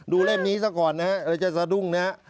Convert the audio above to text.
ดูเล่มนี้ซะก่อนนะครับจะสะดุ้งนะครับ